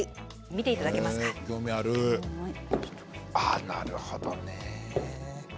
あっなるほどね。